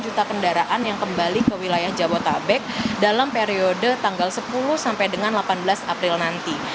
satu juta kendaraan yang kembali ke wilayah jabotabek dalam periode tanggal sepuluh sampai dengan delapan belas april nanti